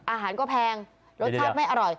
อาหารก็แพงรสชาติไม่อร่อย